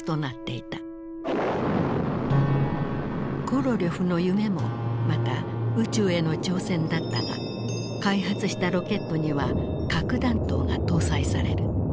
コロリョフの夢もまた宇宙への挑戦だったが開発したロケットには核弾頭が搭載される。